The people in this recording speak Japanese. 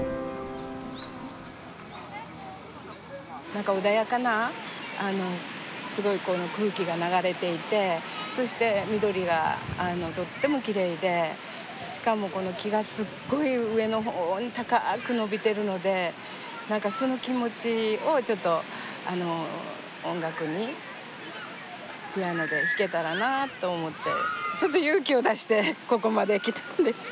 何か穏やかなすごいこの空気が流れていてそして緑がとってもきれいでしかもこの木がすっごい上の方に高く伸びてるのでその気持ちをちょっと音楽にピアノで弾けたらなと思ってちょっと勇気を出してここまで来たんです。